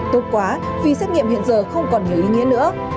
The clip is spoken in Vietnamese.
tốt quá vì xét nghiệm hiện giờ không còn nhiều ý nghĩa nữa